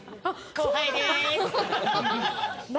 後輩です。